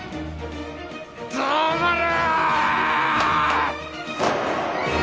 黙れ！